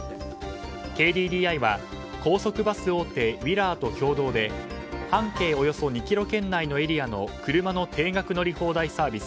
ＫＤＤＩは高速バス大手ウィラーと共同で半径およそ２ｋｍ圏内の車の定額乗り放題サービス